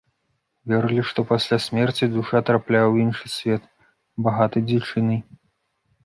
Верылі, што пасля смерці душа трапляе ў іншы свет, багаты дзічынай.